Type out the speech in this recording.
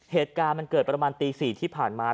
เหตุการณ์มันเกิดประมาณตี๔ที่ผ่านมา